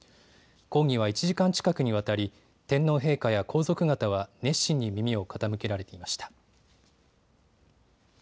講義は１時間近くにわたり天皇陛下や皇族方は熱心に耳を傾けられていました。